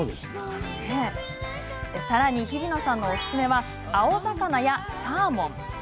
さらに日比野さんのおすすめは青魚やサーモン。